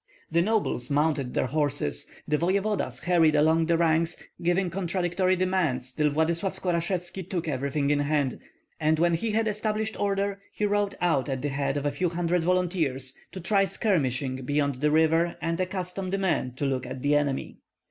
The nobles mounted their horses; the voevodas hurried along the ranks, giving contradictory commands till Vladyslav Skorashevski took everything in hand; and when he had established order he rode out at the head of a few hundred volunteers to try skirmishing beyond the river and accustom the men to look at the enemy.